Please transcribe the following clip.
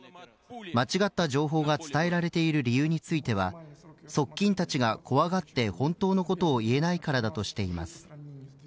間違った情報が伝えられている理由については側近たちが怖がって本当のことを言えないからだとしています。